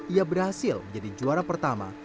ia berhasil menjadi juara pertama